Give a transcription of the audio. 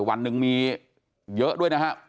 วันหนึ่งมีเยอะด้วยนะครับ